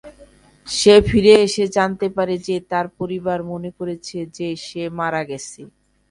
সে ফিরে এসে জানতে পারে যে তার পরিবার মনে করেছে যে সে মারা গেছে।